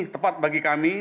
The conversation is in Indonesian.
tepat bagi kami